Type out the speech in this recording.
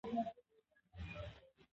اداره د خلکو پر وړاندې ځواب ورکوي.